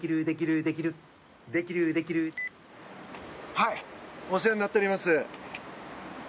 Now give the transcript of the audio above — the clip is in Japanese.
はい、お世話になっております。